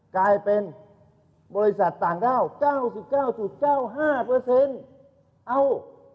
กลายเป็นบริษัทต่างด้าวเก้าสิบเก้าจุดเก้าห้าเปอร์เซ็นต์เอ้า